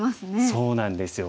そうなんですよ。